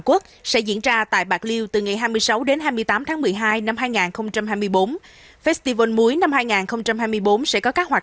quốc sẽ diễn ra tại bạc liêu từ ngày hai mươi sáu đến hai mươi tám tháng một mươi hai năm hai nghìn hai mươi bốn festival muối năm hai nghìn hai mươi bốn sẽ có các hoạt